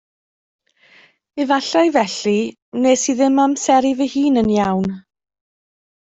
Efallai felly wnes i ddim amseru fy hun yn iawn